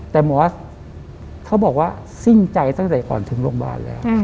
แต่หมอเขาบอกว่าสิ้นใจตั้งแต่ก่อนถึงโรงพยาบาลแล้ว